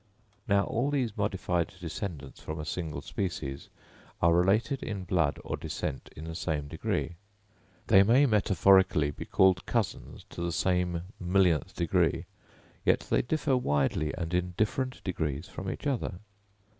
Now, all these modified descendants from a single species are related in blood or descent in the same degree. They may metaphorically be called cousins to the same millionth degree, yet they differ widely and in different degrees from each other.